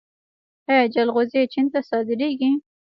آیا جلغوزي چین ته صادریږي؟